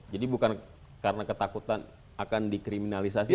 jadi bukan karena ketakutan akan dikriminalisasi